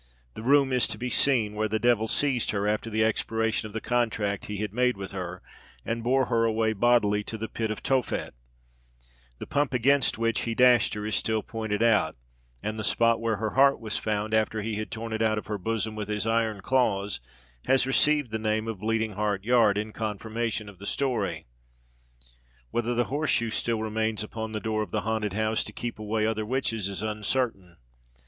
The room is to be seen where the devil seized her after the expiration of the contract he had made with her, and bore her away bodily to the pit of Tophet: the pump against which he dashed her is still pointed out, and the spot where her heart was found, after he had torn it out of her bosom with his iron claws, has received the name of Bleeding heart Yard, in confirmation of the story. Whether the horse shoe still remains upon the door of the haunted house, to keep away other witches, is uncertain.